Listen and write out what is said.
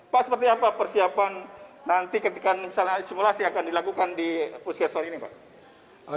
pak seperti apa persiapan nanti ketika misalnya simulasi akan dilakukan di puskesmas ini pak